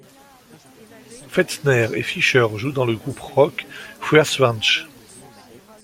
Metzner et Fischer jouent dans le groupe rock Feuerschwanz.